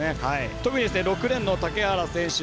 特に６レーンの竹原選手。